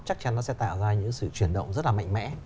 chắc chắn nó sẽ tạo ra những sự chuyển động rất là mạnh mẽ